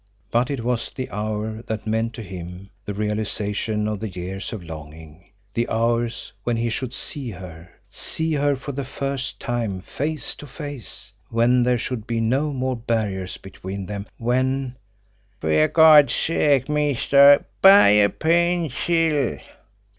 But it was the hour that meant to him the realisation of the years of longing, the hour when he should see her, see her for the first time face to face, when there should be no more barriers between them, when "Fer Gawd's sake, mister, buy a pencil!"